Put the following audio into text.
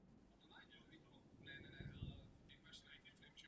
Plán Prahy se nachází v severozápadním rohu mapy.